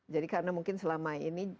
jadi karena mungkin selama ini